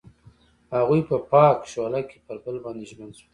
هغوی په پاک شعله کې پر بل باندې ژمن شول.